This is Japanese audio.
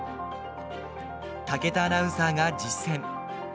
武田アナウンサーが実践。